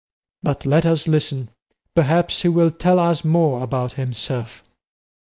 But let us listen, perhaps he will tell us more about himself."